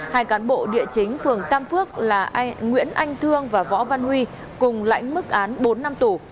hai cán bộ địa chính phường tam phước là nguyễn anh thương và võ văn huy cùng lãnh mức án bốn năm tù